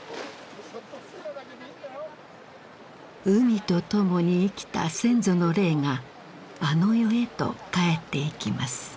海と共に生きた先祖の霊があの世へと帰っていきます。